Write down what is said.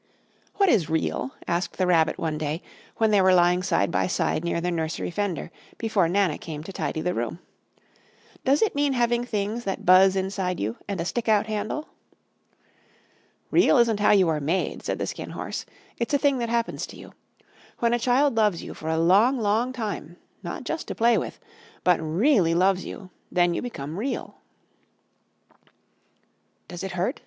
"What is REAL?" asked the Rabbit one day, when they were lying side by side near the nursery fender, before Nana came to tidy the room. "Does it mean having things that buzz inside you and a stick out handle?" "Real isn't how you are made," said the Skin Horse. "It's a thing that happens to you. When a child loves you for a long, long time, not just to play with, but REALLY loves you, then you become Real." "Does it hurt?"